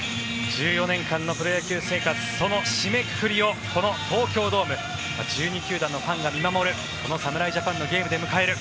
１４年間のプロ野球生活その締めくくりをこの東京ドーム１２球団のファンが見守るこの侍ジャパンのゲームで迎える。